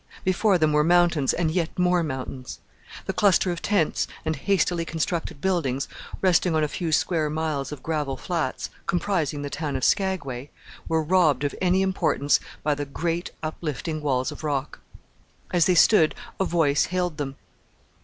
Before them were mountains, and yet more mountains. The cluster of tents and hastily constructed buildings, resting on a few square miles of gravel flats comprising the town of Skagway were robbed of any importance by the great uplifting walls of rock. As they stood a voice hailed them.